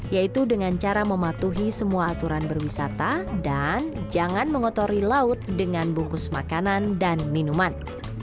yaitu dengan cara mematuhi semua aturan berwisata dan jangan mengotori laut dengan bungkus makanan dan minuman